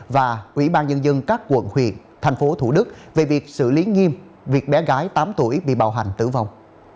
và ủy ban nhân dân các quận huyện thành phố thủ đức về việc xử lý nghiêm việc bé gái tám tuổi bị bạo hành tử vong